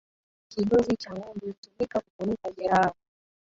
kigozi cha ngombe hutumuka kufunika jeraha